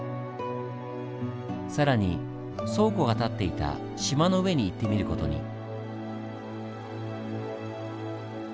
更に倉庫が建っていた島の上に行ってみる事に。